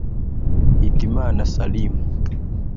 Hitimana Salim